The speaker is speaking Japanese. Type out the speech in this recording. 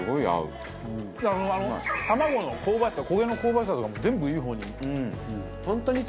卵の香ばしさ焦げの香ばしさとかも全部いい方に。